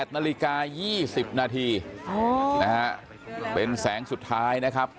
นาฬิกา๒๐นาทีนะฮะเป็นแสงสุดท้ายนะครับ